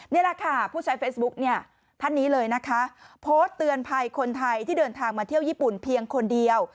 นี่แหละค่ะผู้ใช้เฟซบุ๊กเนี่ยท่านนี้เลยนะคะโพสต์เตือนภัยคนไทยที่เดินทางมาเที่ยวญี่ปุ่นเพียงคนเดียว